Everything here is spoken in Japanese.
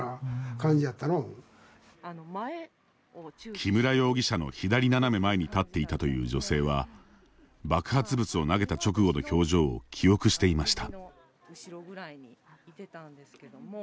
木村容疑者の左斜め前に立っていたという女性は爆発物を投げた直後の表情を記憶していました。